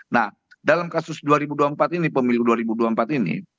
nah dalam kasus dua ribu dua puluh empat ini pemilu dua ribu dua puluh empat ini